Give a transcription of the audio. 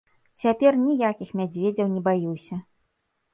Цяпер ніякіх мядзведзяў не баюся.